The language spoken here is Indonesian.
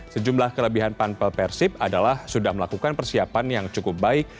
sejumlah kelebihan panpel persib adalah sudah melakukan persiapan yang cukup baik